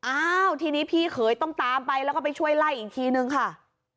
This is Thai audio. อ้าวทีนี้พี่เขยต้องตามไปแล้วก็ไปช่วยไล่อีกทีนึงค่ะ